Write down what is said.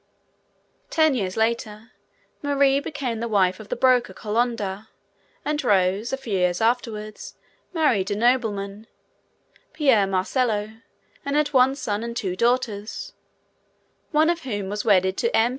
Ten years later Marie became the wife of the broker Colonda, and Rose, a few years afterwards, married a nobleman, Pierre Marcello, and had one son and two daughters, one of whom was wedded to M.